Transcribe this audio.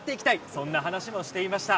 そんな話もしていました。